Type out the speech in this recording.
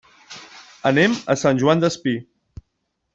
Anem a Sant Joan Despí.